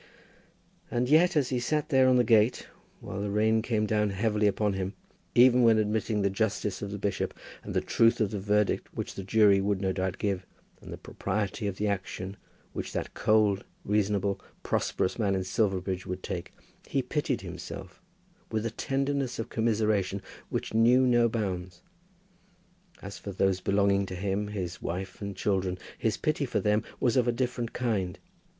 And yet as he sat there on the gate, while the rain came down heavily upon him, even when admitting the justice of the bishop, and the truth of the verdict which the jury would no doubt give, and the propriety of the action which that cold, reasonable, prosperous man at Silverbridge would take, he pitied himself with a tenderness of commiseration which knew no bounds. As for those belonging to him, his wife and children, his pity for them was of a different kind.